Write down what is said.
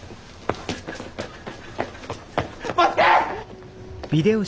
待って！